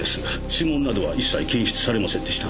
指紋などは一切検出されませんでした。